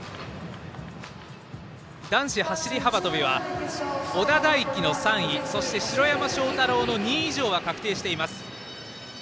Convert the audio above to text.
男子走り幅跳びは小田大樹の３位そして、城山正太郎の２位以上は確定しています。